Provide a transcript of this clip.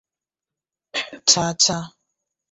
cha cha.